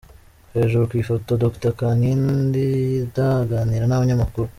Hejuru ku ifoto : Dr Kankindi Ida aganira n’abanyamakuru .